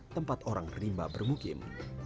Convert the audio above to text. tempat orang rimba bermukim